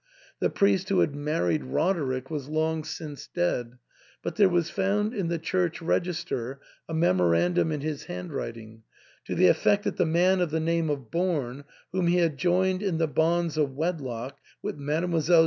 The priest who had married Roderick was long since dead ; but there was found in the church register a memorandum in his hand writing, to the effect that the man of the name of Bom, whom he had joined in the bonds of wedlock with Mdlle.